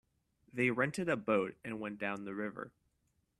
They rented a boat and went down the river.